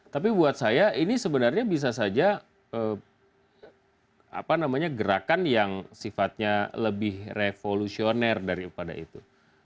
tapi buat saya ini sebenarnya bisa saja gerakan yang sifatnya lebih revolusioner daripada itu